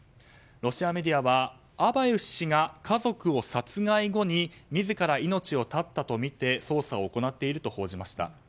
ロシアメディアはアバエフ氏が家族を殺害後に自ら命を絶ったとみて捜査を行っていると報じました。